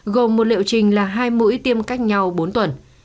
gồm một liệu trình là hai mũi tiêm cách nhau bốn tuần